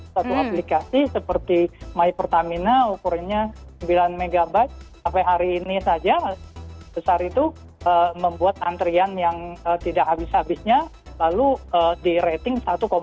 satu aplikasi seperti my pertamina ukurannya sembilan mb sampai hari ini saja besar itu membuat antrian yang tidak habis habisnya lalu di rating satu lima